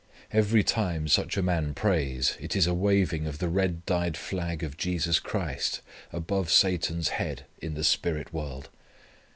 Every time such a man prays it is a waving of the red dyed flag of Jesus Christ above Satan's head in the spirit world.